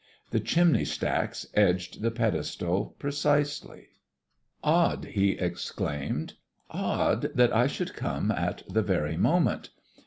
The chimney stacks edged the pedestal precisely. "Odd!" he exclaimed. "Odd that I should come at the very moment